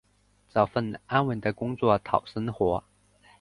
找份安稳的工作讨生活